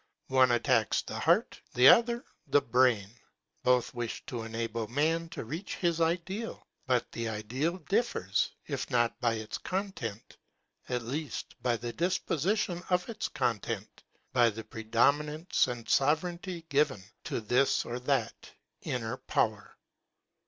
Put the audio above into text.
One attacks" the heart, the other the brain. Both wish to.enable man to reach his ideal. But the ideal differs, if not by its content, at least by the disposition of its content, by the predominance and sovereignty given to this or that inner power.